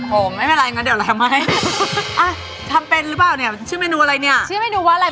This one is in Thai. โหไม่เป็นไรอย่างงั้นเดี๋ยวล้างมาให้